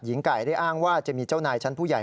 หญิงไก่ได้อ้างว่าจะมีเจ้านายชั้นผู้ใหญ่